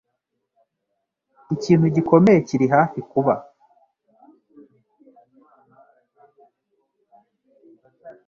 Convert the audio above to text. Ikintu gikomeye kiri hafi kuba.